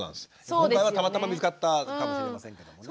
今回はたまたま見つかったかもしれませんけどもね。